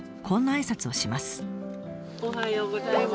おはようございます。